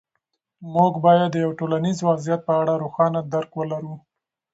موږ باید د یو ټولنیز وضعیت په اړه روښانه درک ولرو.